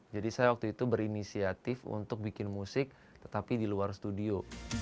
jadi saya waktu itu berinisiatif untuk bikin musik tetapi di luar studio